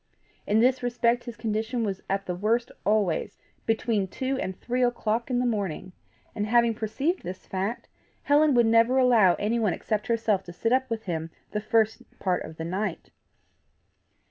In this respect his condition was at the worst always between two and three o'clock in the morning; and having perceived this fact, Helen would never allow anyone except herself to sit up with him the first part of the night.